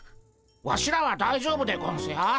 ワシらは大丈夫でゴンスよ。